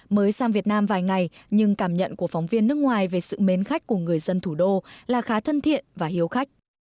mới sang việt nam vài ngày nhưng cảm nhận của phóng viên nước ngoài về sự mến khách của người dân thủ đô là khá thân thiện và hiếu khách